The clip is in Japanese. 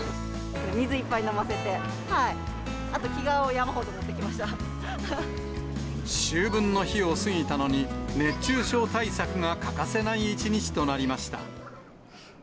水いっぱい飲ませて、あと着秋分の日を過ぎたのに、熱中症対策が欠かせない一日となりました。